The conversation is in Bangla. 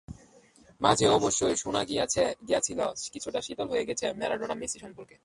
মাঝে অবশ্য শোনা গিয়েছিল, কিছুটা শীতল হয়ে গেছে ম্যারাডোনা মেসি সম্পর্ক।